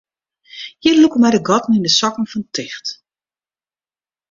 Hjir lûke my de gatten yn de sokken fan ticht.